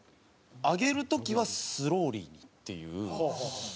上げる時はスローリーにっていうのがあって。